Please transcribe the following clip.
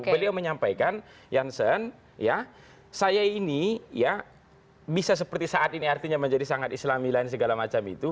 beliau menyampaikan jansen saya ini ya bisa seperti saat ini artinya menjadi sangat islami lain segala macam itu